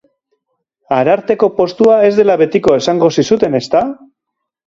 Ararteko postua ez dela betiko esango zizuten, ezta?